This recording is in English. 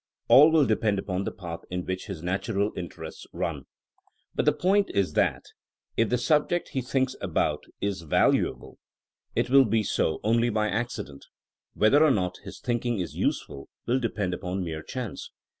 All will depend upon the path in which his natural interests run. But the point is that if the sub THINKINa AS A 80IEN0E 75 ject he thinks about is valuable, it will be so only by accident ; whether or not his thinking is use ful will depend upon mere chance.